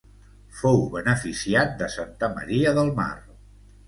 Fou beneficiat de Santa Maria del Mar.